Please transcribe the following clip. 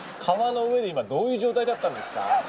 川の上で今どういう状態だったんですか。